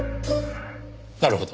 なるほど。